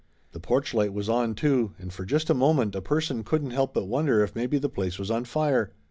The porch light was on, too, and for just a moment a person couldn't help but wonder if maybe the place was on fire.